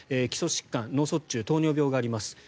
基礎疾患脳卒中、糖尿病があります。